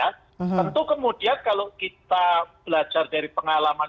tentu kemudian kalau kita belajar dari pengalaman dua ribu empat belas dua ribu sembilan belas